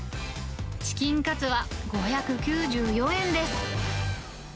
チキンカツは５９４円です。